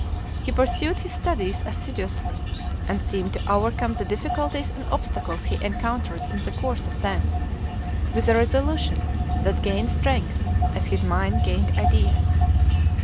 He pursued his studies assiduously, and seemed to overcome the difficulties and obstacles he encountered in the course of them with a resolution that gained strength as his mind gained ideas.